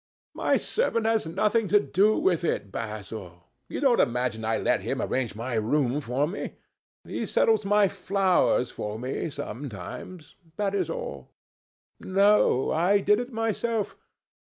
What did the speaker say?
"My servant has nothing to do with it, Basil. You don't imagine I let him arrange my room for me? He settles my flowers for me sometimes—that is all. No; I did it myself.